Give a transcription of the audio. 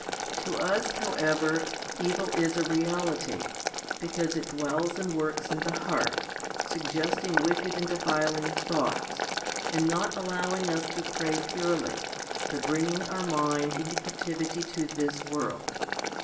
6. To us, however, evil is a reality, because it dwells and works in the heart, suggesting wicked and defiling thoughts, and not allowing us to pray purely, but bringing our mind into captivity to this world.